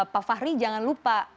pak fahri jangan lupa